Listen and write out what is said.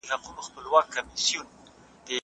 د کندهار په صنعت کي د پرمختګ کچه څنګه لوړیږي؟